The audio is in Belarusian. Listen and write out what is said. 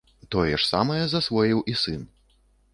Тое ж самае засвоіў і сын.